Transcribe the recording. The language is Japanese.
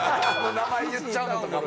名前言っちゃうのとかも。